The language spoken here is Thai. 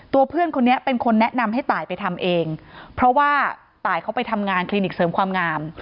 เพื่อนคนนี้เป็นคนแนะนำให้ตายไปทำเองเพราะว่าตายเขาไปทำงานคลินิกเสริมความงาม